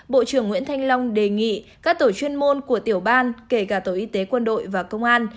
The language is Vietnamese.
bộ trưởng nguyễn thanh long đề nghị các tổ chuyên môn của tiểu ban kể cả tổ y tế quân đội và công an